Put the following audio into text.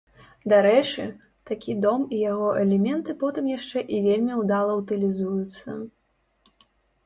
Дарэчы, такі дом і яго элементы потым яшчэ і вельмі ўдала ўтылізуюцца.